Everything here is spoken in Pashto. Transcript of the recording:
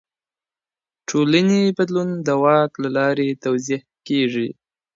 ټولني بدلون د واک له لاري توضيح کيږي.